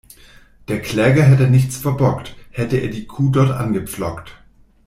Der Kläger hätte nichts verbockt, hätte er die Kuh dort angepflockt.